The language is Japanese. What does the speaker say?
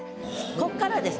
こっからです。